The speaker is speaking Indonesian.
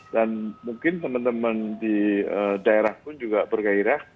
dan mungkin teman teman di daerah pun juga berkairah